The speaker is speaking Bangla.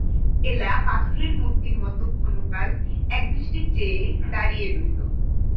এলা পাথরের মূর্তির মতো ক্ষণকাল একদৃষ্টে চেয়ে দাঁড়িয়ে রইল।